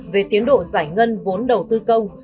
về tiến độ giải ngân vốn đầu tư công